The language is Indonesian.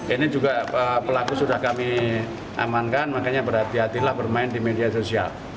ini juga pelaku sudah kami amankan makanya berhati hatilah bermain di media sosial